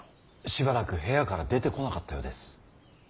しばらく部屋から出てこなかったようです。